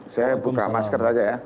saya buka masker saja ya